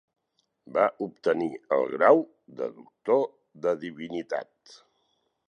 Va obtenir el grau de Doctor de Divinitat.